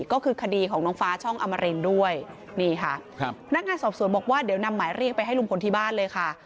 ก็คือคดีของน้องฟ้าช่องอมรินด้วยนี่ค่ะครับพนักงานสอบสวนบอกว่าเดี๋ยวนำหมายเรียกไปให้ลุงพลที่บ้านเลยค่ะ